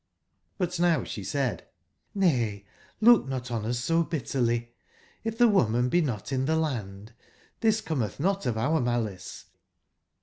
But now sbe said: '']^ay, look not on us so bitterly t If tbe woman be not in tbe land, tbis cometb not of our malice.